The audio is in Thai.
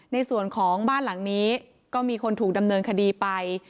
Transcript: ในส่วนของบ้านหลังนี้ก็มีคนถูกดำเนินคดีไป